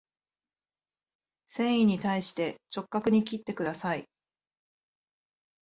繊維に対して直角に切ってください